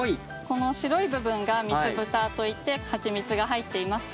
この白い部分が蜜ぶたといって蜂蜜が入っています。